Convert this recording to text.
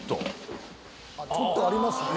あっちょっとありますね。